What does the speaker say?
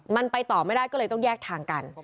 มันไปต่อไม่ได้ก็เลยต้องแยกทางกัน